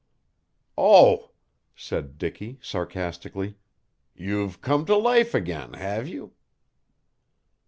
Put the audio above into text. "Oh," said Dicky sarcastically. "You've come to life again, have you."